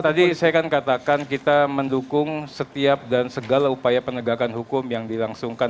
tadi saya kan katakan kita mendukung setiap dan segala upaya penegakan hukum yang dilangsungkan